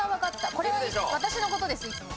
これは私のことですいつも。